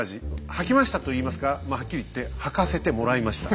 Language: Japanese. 履きましたと言いますかまあはっきり言って履かせてもらいました。